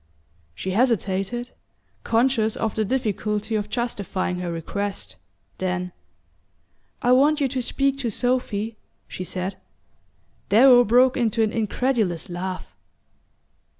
She hesitated, conscious of the difficulty of justifying her request; then: "I want you to speak to Sophy," she said. Darrow broke into an incredulous laugh.